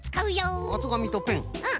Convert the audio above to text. うん。